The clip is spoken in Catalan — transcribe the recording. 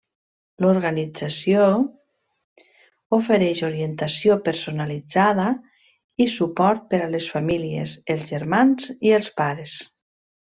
L'organització ofereix orientació personalitzada i suport per a les famílies, els germans i els pares.